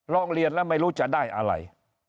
ร้องเรียนแล้วไม่รู้จะได้อะไร